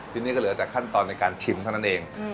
ทีนี้ก็เหลือแต่ขั้นตอนในการชิมเท่านั้นเอง